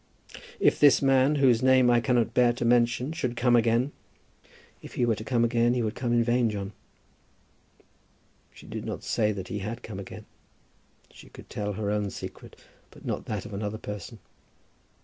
"If this man, whose name I cannot bear to mention, should come again " "If he were to come again he would come in vain, John." She did not say that he had come again. She could tell her own secret, but not that of another person.